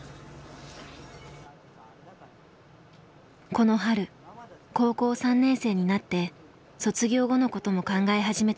この春高校３年生になって卒業後のことも考え始めた健人くん。